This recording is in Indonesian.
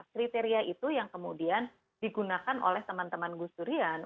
kriteria itu yang kemudian digunakan oleh teman teman gus durian